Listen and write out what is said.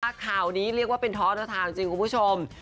ข่าวนี้เรียกว่าเป็นท้อนทางจริงคุณผู้ชม